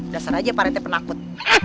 dasar aja pak rete penakut